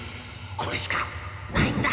これしかないんだ！